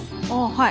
はい。